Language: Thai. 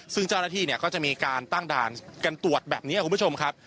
ซึ่งเจ้าหน้าที่ก็จะมีการตั้งด่านกันตรวจแบบนี้คุณผู้ชมครับ